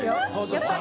やっぱり。